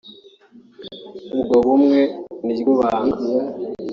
ubwo bumwe niryo banga